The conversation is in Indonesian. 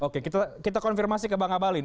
oke kita konfirmasi ke bang abalin